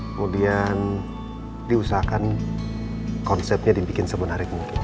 kemudian diusahakan konsepnya dibikin sebenarnya